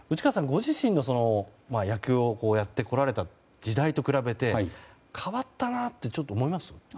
ご自身の野球をやってこられた時代と比べて変わったなってちょっと思います？